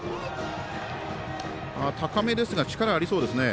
高めですが、力ありそうですね。